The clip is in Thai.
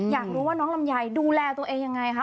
อยากรู้ว่าน้องลำไยดูแลตัวเองยังไงคะ